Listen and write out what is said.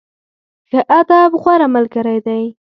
ښه ادب، غوره ملګری دی.